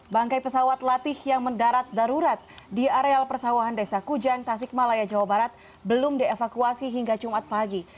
bangkai pesawat latih yang mendarat darurat di areal persawahan desa kujan tasik malaya jawa barat belum dievakuasi hingga jumat pagi